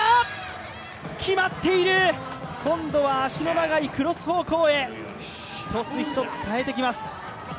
島村、今度は足の長いクロス方向へ１つ１つ変えてきます。